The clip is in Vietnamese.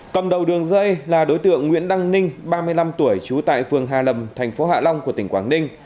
cầm đầu đường dây là đối tượng nguyễn đăng ninh ba mươi năm tuổi trú tại phường hà lâm thành phố hạ long của tỉnh quảng ninh